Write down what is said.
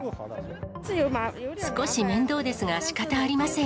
少し面倒ですが、しかたありません。